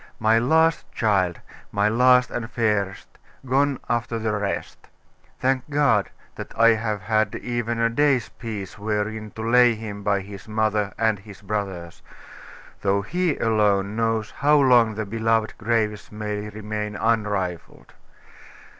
My last child my last and fairest gone after the rest! Thank God, that I have had even a day's peace wherein to lay him by his mother and his brothers; though He alone knows how long the beloved graves may remain unrifled.